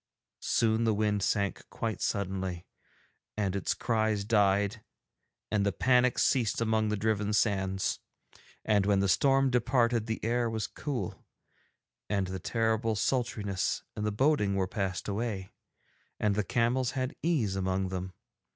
Soon the wind sank quite suddenly, and its cries died, and the panic ceased among the driven sands. And when the storm departed the air was cool, and the terrible sultriness and the boding were passed away, and the camels had ease among them.